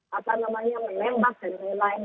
dia merasa namanya menembak dan lain lain